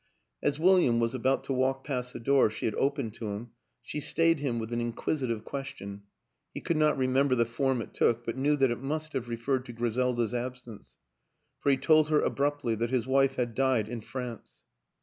As Wil liam was about to walk past the door she had opened to him she stayed him with an inquisitive question he could not remember the form it took but knew that it must have referred to Gri selda's absence, for he told her abruptly that his wife had died in France.